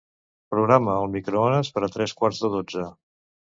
Programa el microones per a tres quarts de dotze.